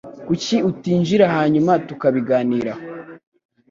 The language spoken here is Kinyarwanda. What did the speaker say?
Kuki utinjira hanyuma tukabiganiraho?